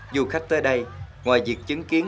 du khách tới đây ngoài việc chứng kiến